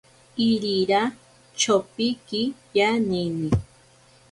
Irira chopiki yanini.